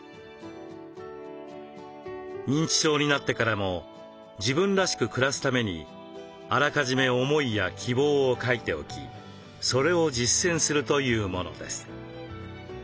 認知症になってからも自分らしく暮らすためにあらかじめ思いや希望を書いておきそれを実践するというものです。